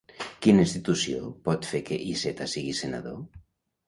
Quina institució pot fer que Iceta sigui senador?